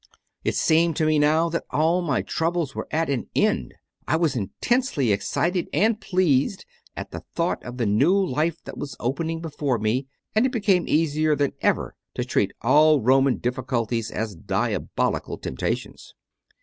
It seemed to me now that all my troubles were at an end. I was intensely excited and pleased at the thought of the new life that was opening before me, and it became easier than ever to treat all Roman difficulties as diabolical temptations.